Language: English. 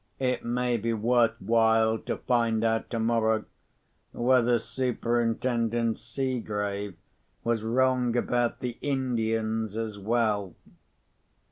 "It may be worth while to find out tomorrow whether Superintendent Seegrave was wrong about the Indians as well."